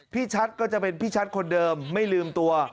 ชัดก็จะเป็นพี่ชัดคนเดิมไม่ลืมตัว